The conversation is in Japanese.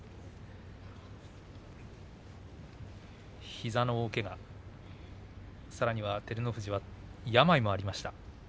膝の大けが、さらには照ノ富士は病もありました。